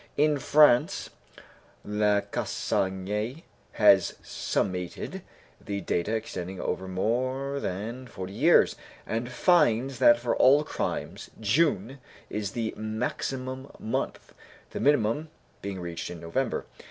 In France, Lacassagne has summated the data extending over more than 40 years, and finds that for all crimes June is the maximum month, the minimum being reached in November.